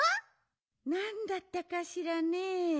なんだったかしらね。